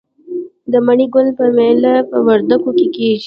د مڼې ګل میله په وردګو کې کیږي.